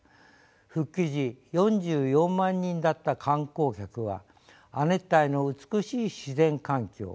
復帰時４４万人だった観光客は亜熱帯の美しい自然環境